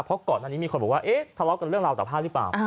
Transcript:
เพราะก่อนอันนี้มีคนบอกว่าเอ๊ะทะเลาะกันเรื่องราวตาผ้าหรือเปล่า